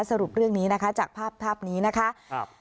สรุปเรื่องนี้นะคะจากภาพนี้นะคะครับ